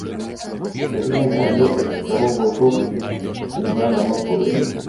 De vez en cuando, excava un hueco en una rama podrida.